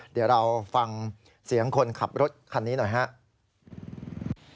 เดี๋ยวเราฟังเสียงคนขับรถคันนี้หน่อยครับ